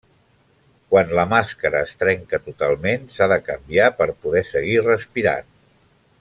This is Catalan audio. Quan la màscara es trenca totalment, s'ha de canviar per poder seguir respirant.